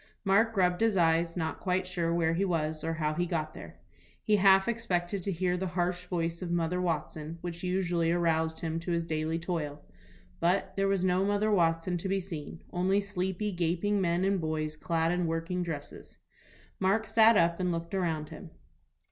Mark rubbed his eyes, not quite sure where he was, or how he got there. He half expected to hear the harsh voice of Mother Watson, which usually aroused him to his daily toil. But there was no Mother Watson to be seen, only sleepy, gaping men and boys, clad in working dresses. Mark sat up and looked around him.